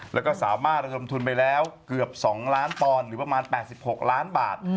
แล้วก็สามารถระดมทุนไปแล้วเกือบ๒ล้านปอนด์หรือประมาณ๘๖ล้านบาท